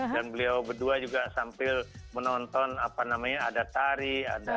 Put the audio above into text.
dan beliau berdua juga sambil menonton apa namanya ada tari